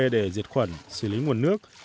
để diệt khuẩn xử lý nguồn nước